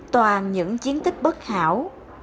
toàn những chiến tích bất hảo